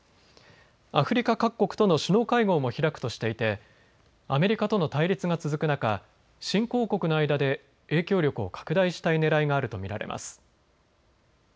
アフリカ各国との首脳会合も開くとしてアメリカとの対立が続く中、新興国の間で影響力を拡大したいねらいがあると見られます。